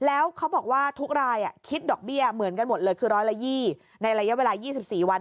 แล้วเขาบอกว่าทุกรายคิดดอกเบี้ยเหมือนกันหมดเลยคือ๑๒๐ในระยะเวลา๒๔วัน